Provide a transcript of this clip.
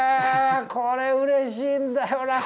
これうれしいんだよな